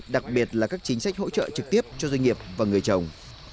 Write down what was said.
đặc biệt là các chính sách hỗ trợ trực tiếp cho doanh nghiệp và người trồng